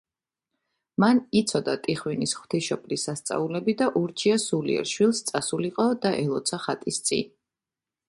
მან იცოდა ტიხვინის ღვთისმშობლის სასწაულები და ურჩია სულიერ შვილს, წასულიყო და ელოცა ხატის წინ.